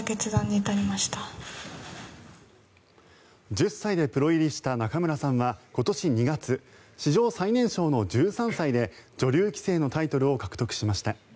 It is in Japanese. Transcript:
１０歳でプロ入りした仲邑さんは今年２月史上最年少の１３歳で女流棋聖のタイトルを獲得しました。